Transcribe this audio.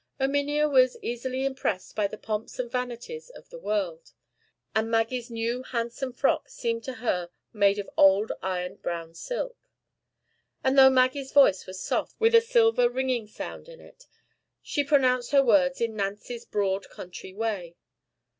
Erminia was easily impressed by the pomps and vanities of the world; and Maggie's new handsome frock seemed to her made of old ironed brown silk. And though Maggie's voice was soft, with a silver ringing sound in it, she pronounced her words in Nancy's broad country way.